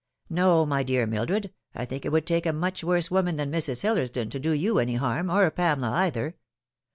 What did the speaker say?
" No, my dear Mildred, I think it would take a much worse woman than Mrs. Hillersdon to do you any harm, or Pamela either.